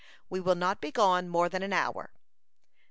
"We will not be gone more than an hour."